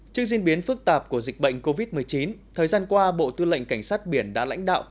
trước diễn biến phức tạp của dịch bệnh covid một mươi chín thời gian qua bộ tư lệnh cảnh sát biển đã lãnh đạo